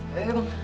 ya ya bang